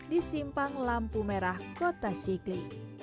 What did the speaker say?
di simpang lampu merah kota sikli